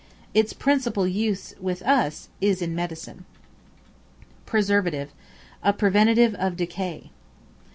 Its principal use with us is in medicine. Preservative, a preventive of decay.